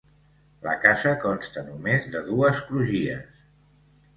La casa consta només de dues crugies.